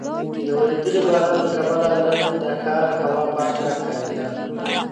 د ورېدلي باران له کبله نن د ښار هوا پاکه ښکارېده.